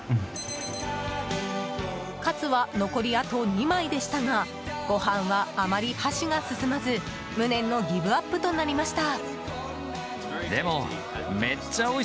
かつは残りあと２枚でしたがご飯は、あまり箸が進まず無念のギブアップとなりました。